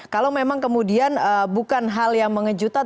kalau memang kemudian bukan hal yang mengejutkan